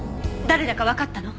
誰だかわかったの？